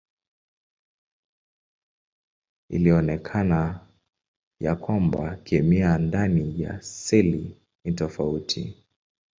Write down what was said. Ilionekana ya kwamba kemia ndani ya seli ni tofauti.